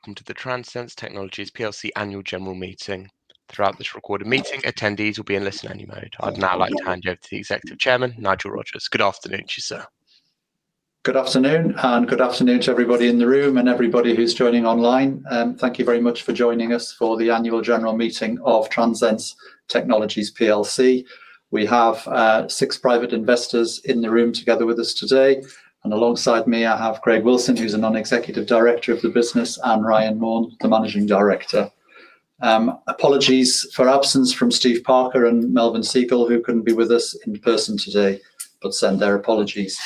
Welcome to the Transense Technologies Plc Annual General Meeting. Throughout this recorded meeting, attendees will be in listen-only mode. I'd now like to hand you over to the Executive Chairman, Nigel Rogers. Good afternoon to you, sir. Good afternoon, and good afternoon to everybody in the room and everybody who's joining online. Thank you very much for joining us for the Annual General Meeting of Transense Technologies Plc. We have six private investors in the room together with us today. Alongside me, I have Craig Wilson, who's a Non-Executive Director of the business, and Ryan Maughan, the Managing Director. Apologies for absence from Steve Parker and Melvyn Segal, who couldn't be with us in person today, but send their apologies.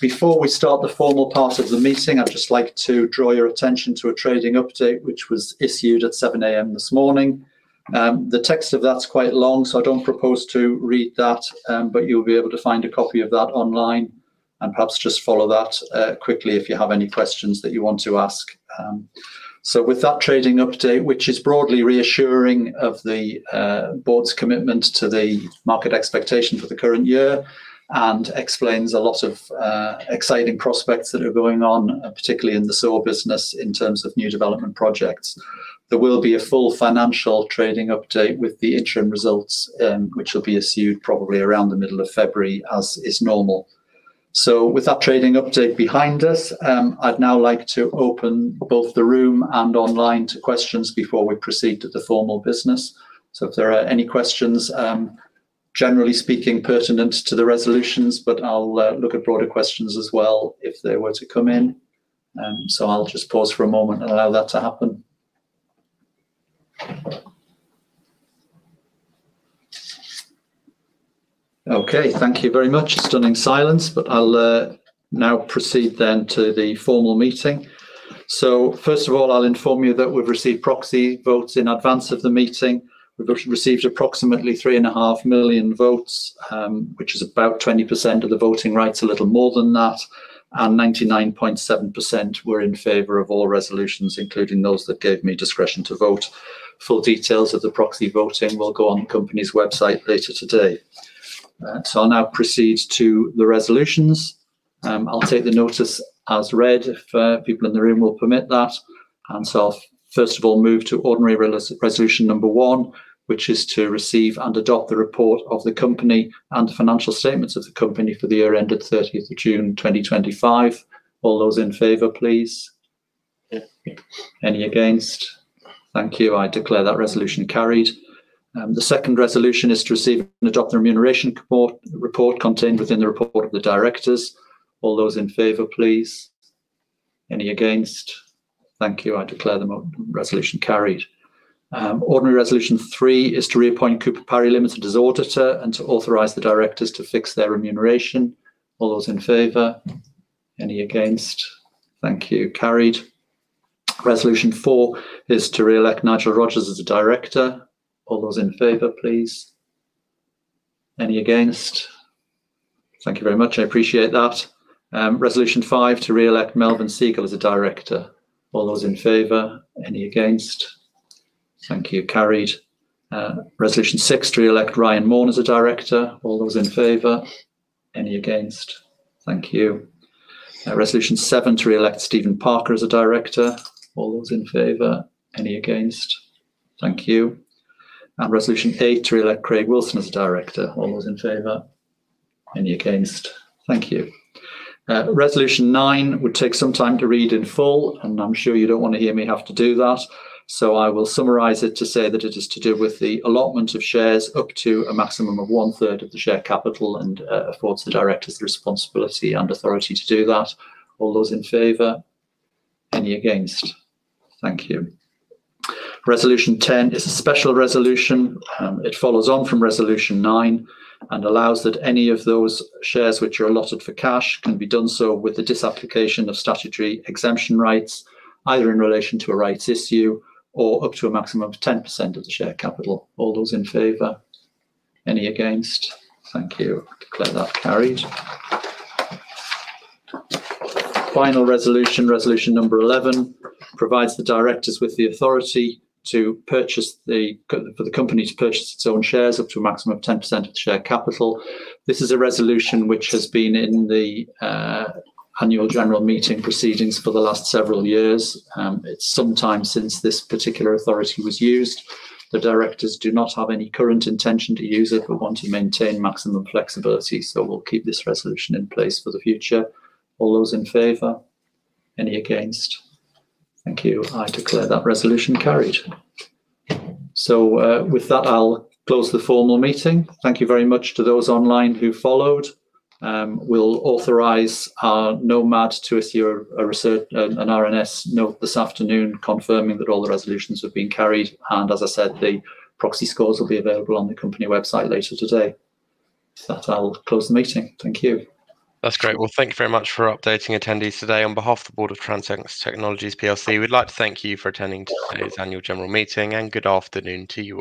Before we start the formal part of the meeting, I'd just like to draw your attention to a trading update which was issued at 7:00 A.M. this morning. The text of that's quite long, so I don't propose to read that, but you'll be able to find a copy of that online and perhaps just follow that quickly if you have any questions that you want to ask. With that trading update, which is broadly reassuring of the board's commitment to the market expectation for the current year and explains a lot of exciting prospects that are going on, particularly in the sewer business in terms of new development projects, there will be a full financial trading update with the interim results, which will be issued probably around the middle of February, as is normal. With that trading update behind us, I'd now like to open both the room and online to questions before we proceed to the formal business. If there are any questions, generally speaking, pertinent to the resolutions, but I'll look at broader questions as well if they were to come in. I'll just pause for a moment and allow that to happen. Okay, thank you very much. Stunning silence, but I'll now proceed then to the formal meeting. First of all, I'll inform you that we've received proxy votes in advance of the meeting. We've received approximately 3.5 million votes, which is about 20% of the voting rights, a little more than that, and 99.7% were in favor of all resolutions, including those that gave me discretion to vote. Full details of the proxy voting will go on the company's website later today. I'll now proceed to the resolutions. I'll take the notice as read if people in the room will permit that. I'll first of all move to ordinary resolution number one, which is to receive and adopt the report of the company and the financial statements of the company for the year ended 30th of June 2025. All those in favor, please. Yes. Any against? Thank you. I declare that resolution carried. The second resolution is to receive and adopt the remuneration report contained within the report of the directors. All those in favor, please. Any against? Thank you. I declare the resolution carried. Ordinary resolution three is to reappoint Cooper Parry Limited as auditor and to authorize the directors to fix their remuneration. All those in favor? Any against? Thank you. Carried. Resolution four is to reelect Nigel Rogers as a director. All those in favor, please. Any against? Thank you very much. I appreciate that. Resolution five to reelect Melvyn Segal as a director. All those in favor? Any against? Thank you. Carried. Resolution six to reelect Ryan Maughan as a director. All those in favor? Any against? Thank you. Resolution seven to reelect Stephen Parker as a director. All those in favor? Any against? Thank you. Resolution eight to reelect Craig Wilson as a director. All those in favor? Any against? Thank you. Resolution nine would take some time to read in full, and I'm sure you do not want to hear me have to do that. I will summarize it to say that it is to do with the allotment of shares up to a maximum of one-third of the share capital and affords the directors the responsibility and authority to do that. All those in favor? Any against? Thank you. Resolution 10 is a special resolution. It follows on from resolution nine and allows that any of those shares which are allotted for cash can be done so with the disapplication of statutory exemption rights, either in relation to a rights issue or up to a maximum of 10% of the share capital. All those in favor? Any against? Thank you. I declare that carried. Final resolution, resolution number 11, provides the directors with the authority for the company to purchase its own shares up to a maximum of 10% of the share capital. This is a resolution which has been in the Annual General Meeting proceedings for the last several years. It's some time since this particular authority was used. The directors do not have any current intention to use it but want to maintain maximum flexibility. We'll keep this resolution in place for the future. All those in favor? Any against? Thank you. I declare that resolution carried. With that, I'll close the formal meeting. Thank you very much to those online who followed. We'll authorize our Nomad to issue an RNS note this afternoon confirming that all the resolutions have been carried. As I said, the proxy scores will be available on the company website later today. With that, I'll close the meeting. Thank you. That's great. Thank you very much for updating attendees today on behalf of the Board of Transense Technologies Plc. We'd like to thank you for attending today's Annual General Meeting and good afternoon to you.